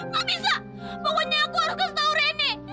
gak bisa pokoknya aku harus kasih tau ren